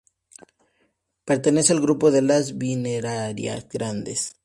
Pertenece al grupo de las "Bifrenaria" grandes.